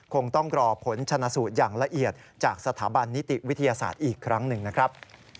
คงต้องรอผลชนะสูตรอย่างละเอียดจากสถาบันนิติวิทยาศาสตร์อีกครั้งหนึ่งนะครับ